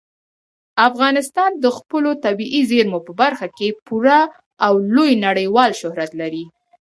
افغانستان د خپلو طبیعي زیرمو په برخه کې پوره او لوی نړیوال شهرت لري.